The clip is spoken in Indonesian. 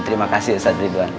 terima kasih ustadzah ridwan